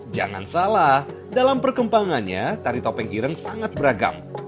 jangan salah dalam perkembangannya tari topeng ireng sangat beragam